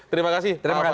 terima kasih pak pak dizon